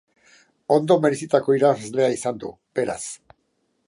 Ondo merezitako irabazlea izan du, beraz.